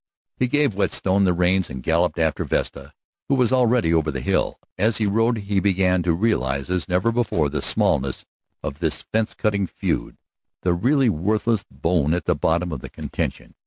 He gave Whetstone the reins and galloped after Vesta, who was already over the hill. As he rode he began to realize as never before the smallness of this fence cutting feud, the really worthless bone at the bottom of the contention.